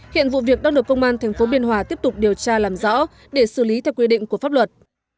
hiện vụ việc đang được công an tp biên hòa tiếp tục điều tra làm rõ để xử lý theo quy định của pháp luật